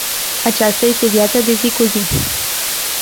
Aceasta este viața de zi cu zi.